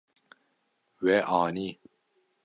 We anî.